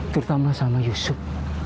terutama sama yusuf